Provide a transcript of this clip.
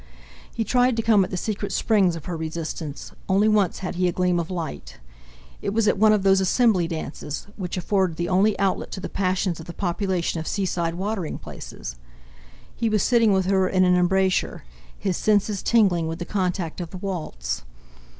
He tried to come at the secret springs of her resistance; only once had he a gleam of light. It was at one of those assembly dances, which afford the only outlet to the passions of the population of seaside watering places. He was sitting with her in an embrasure, his senses tingling with the contact of the waltz.